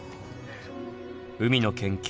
海の研究